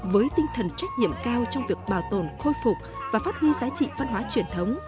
với tinh thần trách nhiệm cao trong việc bảo tồn khôi phục và phát huy giá trị văn hóa truyền thống